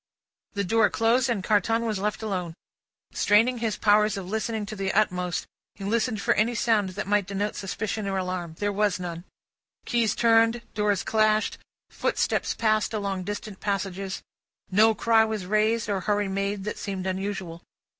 The door closed, and Carton was left alone. Straining his powers of listening to the utmost, he listened for any sound that might denote suspicion or alarm. There was none. Keys turned, doors clashed, footsteps passed along distant passages: no cry was raised, or hurry made, that seemed unusual.